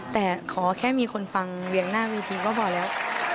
แต่ขอแค่มีคนฟังเวียงหน้าเวทีก็พอแล้ว